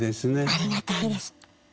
ありがたいです。